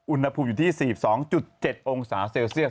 อุณหภูมิอยู่ที่๔๒๗องศาเซลเซียส